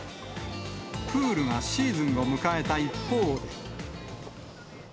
プールがシーズンを迎えた一方で。